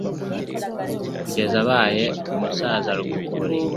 kugeza abaye umusaza rukukuri,